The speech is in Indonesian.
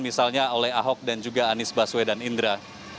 misalnya oleh ahok dan juga anies baswe dan indra